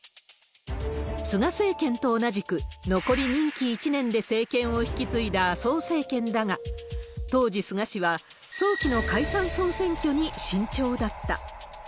菅政権と同じく、残り任期１年で政権を引き継いだ麻生政権だが、当時、菅氏は早期の解散・総選挙に慎重だった。